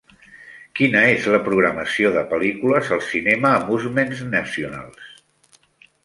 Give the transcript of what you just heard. quina és la programació de pel·lícules al cinema Amusements Nacionals